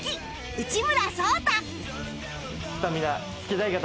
内村颯太